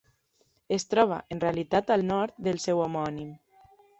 Es troba en realitat al nord del seu homònim.